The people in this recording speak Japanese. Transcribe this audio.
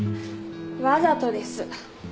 わざとです。